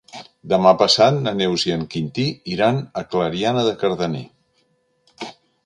Demà passat na Neus i en Quintí iran a Clariana de Cardener.